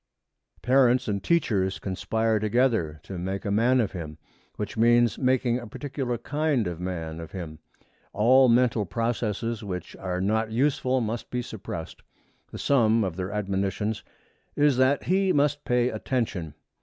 Parents and teachers conspire together to make a man of him, which means making a particular kind of man of him. All mental processes which are not useful must be suppressed. The sum of their admonitions is that he must pay attention.